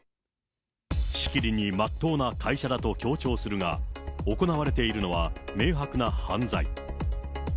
しきりにまっとうな会社だと強調するが、行われているのは、明白な犯罪。